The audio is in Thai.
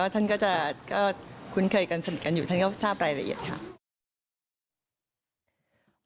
ท่านก็จะคุ้นเคยกันสนิทกันอยู่ท่านก็ทราบรายละเอียดค่ะ